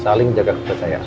saling jaga kepercayaan